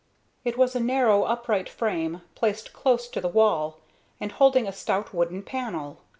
It was a narrow, upright frame, placed close to the wall, and holding a stout wooden panel.